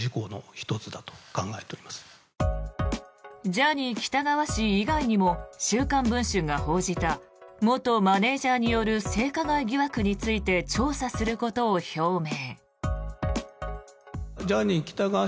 ジャニー喜多川氏以外にも「週刊文春」が報じた元マネジャーによる性加害疑惑について調査することを表明。